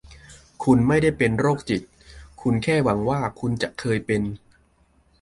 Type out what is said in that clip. คุณไม่ได้เป็นโรคจิต คุณแค่หวังว่าคุณจะเคยเป็น